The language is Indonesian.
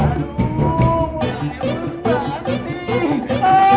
aduh maunya urus banget nih